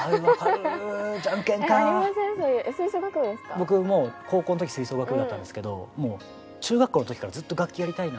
僕も高校の時吹奏楽部だったんですけどもう中学校の時からずっと楽器やりたいなと思って。